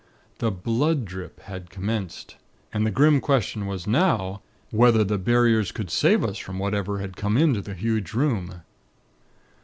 _ The 'blood drip' had commenced. And the grim question was now whether the Barriers could save us from whatever had come into the huge room.